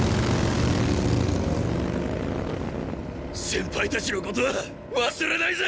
先輩たちのことは忘れないぜ！